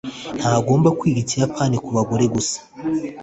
ntagomba kwiga ikiyapani kubagore gusa